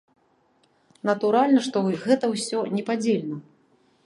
Натуральна, што гэта ўсё непадзельна.